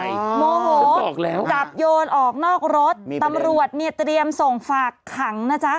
โมโหจับโยนออกนอกรถตำรวจเนี่ยเตรียมส่งฝากขังนะจ๊ะ